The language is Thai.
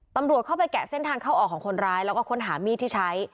ตำรวจเข้าไปแกะเส้นทางเข้าออกของคนร้ายแล้วก็ค้นหามีดที่ใช้